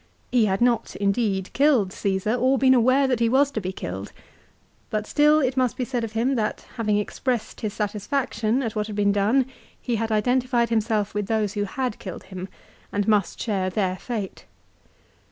He had not indeed killed Caesar or been aware that he was to be killed ; but still it must be said of him that having expressed his satisfaction at what had been done, he had identified himself with those who had killed him, and must share their fate.